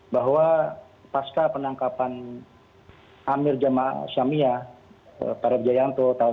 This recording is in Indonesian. bahwa pasca penangkapan amir jemaah islamia pak rep jayanto tahun dua ribu sembilan belas